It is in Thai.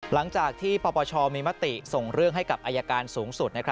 หลังจากที่ปปชมีมติส่งเรื่องให้กับอายการสูงสุด